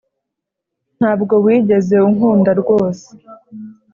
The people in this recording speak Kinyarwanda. ntabwo wigeze unkunda rwose.